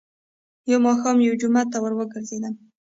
. يو ماښام يوه جومات ته ور وګرځېدم،